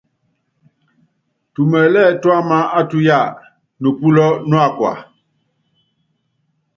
Tumɛlɛ́ tuámá á tuyáa, nupúlɔ́ mákua.